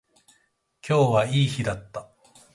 今日はいい日だった